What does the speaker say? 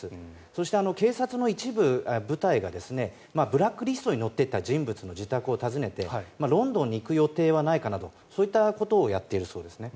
そして、警察の一部部隊がブラックリストに載っていた人物の自宅を訪ねてロンドンに行く予定はないかなどそういったことをやっているそうですね。